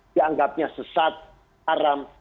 dianggapnya sesat haram